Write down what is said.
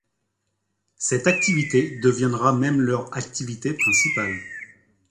Cette activité deviendra même leur activité principale.